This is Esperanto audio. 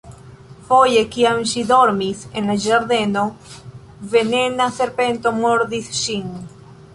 Foje, kiam ŝi dormis en la ĝardeno, venena serpento mordis ŝin.